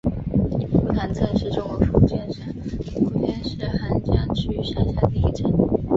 梧塘镇是中国福建省莆田市涵江区下辖的一个镇。